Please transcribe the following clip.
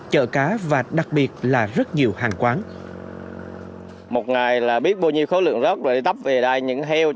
chợ cá và đặc biệt là rất nhiều hàng quán